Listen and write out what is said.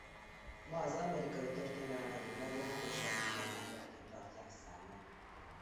Ma az amerikai történelem egyik legjelentősebb informátoraként tartják számon.